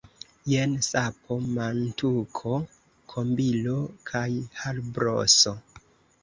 Jen sapo, mantuko, kombilo kaj harbroso.